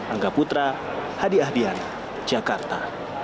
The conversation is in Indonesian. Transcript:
angga putra hadi ahdian jakarta